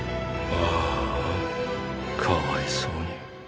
ああかわいそうに。